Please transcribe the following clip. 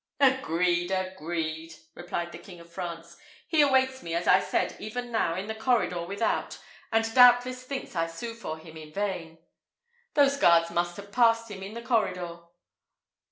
"Agreed, agreed!" replied the King of France. "He waits me, as I said, even now, in the corridor without, and doubtless thinks I sue for him in vain. Those guards must have passed him in the corridor."